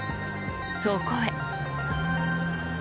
そこへ。